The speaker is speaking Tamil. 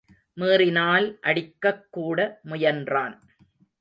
மீறினால் அடிக்கக்கூட முயன்றான்.